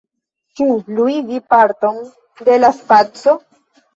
Ĉu luigi parton de la spaco?